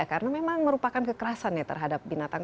karena memang merupakan kekerasan terhadap binatang